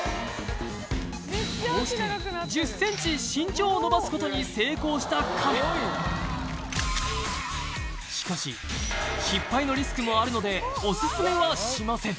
こうして１０ｃｍ身長を伸ばすことに成功した彼しかし失敗のリスクもあるのでオススメはしません